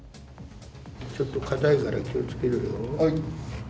ちょっとかたいから気をつけはい。